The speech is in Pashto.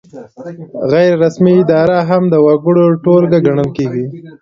غیر رسمي اداره هم د وګړو ټولګه ګڼل کیږي.